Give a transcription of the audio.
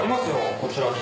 こちらに。